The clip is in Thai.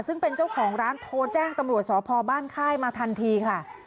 ซึ่งเป็นเจ้าของร้านโทรแจ้งตำรวจสพบ้านค่ายมาทันทีค่ะ